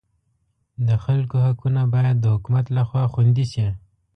د خلکو حقونه باید د حکومت لخوا خوندي شي.